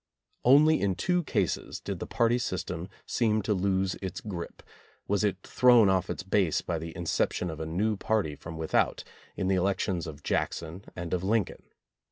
Only in two cases did the party system seem to lose its grip, was it thrown off its base by the in ception of a new party from without — in the elec tions of Jackson and of Lincoln.